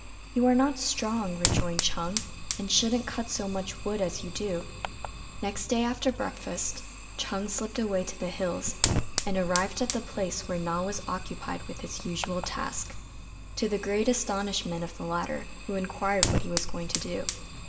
"You are not strong," rejoined Ch'êng, "and shouldn't cut so much wood as you do." Next day, after breakfast, Ch'êng slipped away to the hills, and arrived at the place where Na was occupied with his usual task, to the great astonishment of the latter, who inquired what he was going to do.